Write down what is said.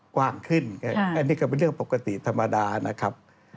กว้างขึ้นอันนี้ก็เป็นเรื่องปกติธรรมดานะครับ